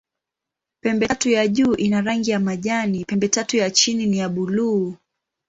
Pembetatu ya juu ina rangi ya majani, pembetatu ya chini ni ya buluu.